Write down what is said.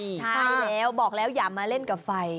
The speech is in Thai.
ใช่แล้วบอกแล้วอย่ามาเล่นกับไฟ